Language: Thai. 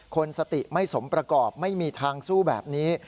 คนสติไม่สมประกอบไม่มีทางสู้แบบนี้